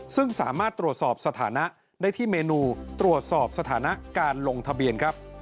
ซึ่งสามารถตรวจสอบสถานะได้ที่เมนูตรวจสอบสถานะการลงทะเบียนครับ